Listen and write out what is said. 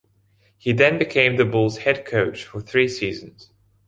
He then became the Bulls' head coach for three seasons.